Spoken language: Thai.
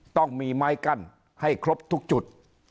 ต้องมีไม้กั้นให้ครบทุกจุด